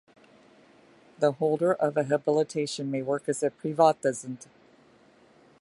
The holder of a Habilitation may work as "Privatdozent".